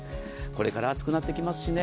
これから暑くなってきますしね。